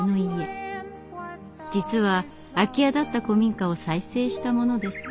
実は空き家だった古民家を再生したものです。